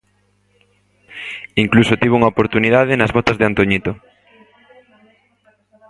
Incluso tivo unha oportunidade nas botas de Antoñito.